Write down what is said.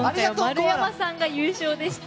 丸山さんが優勝でした。